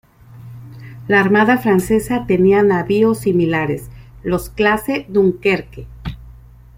La armada francesa tenía navíos similares, los Clase Dunkerque.